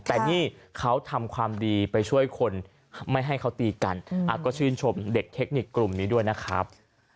แต่นี่เขาทำความดีไปช่วยคนไม่ให้เขาตีกันก็ชื่นชมเด็กเทคนิคกลุ่มนี้ด้วยนะครับ